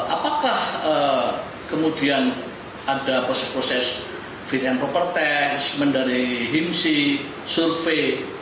apakah kemudian ada proses proses fit and proper test mendari himsi survei